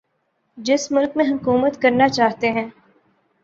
جس ملک میں حکومت کرنا چاہتے ہیں